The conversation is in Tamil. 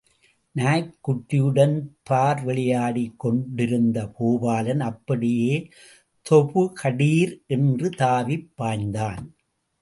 நாய்க்குட்டியுடன் பார் விளையாடிக் கொண்டிருந்த பூபாலன் அப்படியே தொபுகடீர் என்று தாவிப் பாய்ந்தான்.